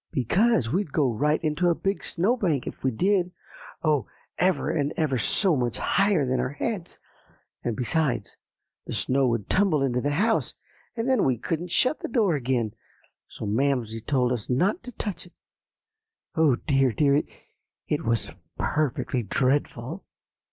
"Because we'd go right into a big snowbank if we did, oh! ever and ever so much higher than our heads; and, besides, the snow would tumble in the house, and then we couldn't shut the door again; so Mamsie told us not to touch it. Oh, dear, dear, it was perfectly dreadful!"